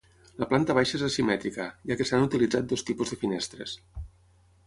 La planta baixa és asimètrica, ja que s'han utilitzat dos tipus de finestres.